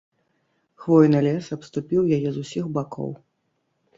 Хвойны лес абступіў яе з усіх бакоў.